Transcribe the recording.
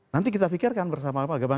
nanti kita pikirkan bersama apa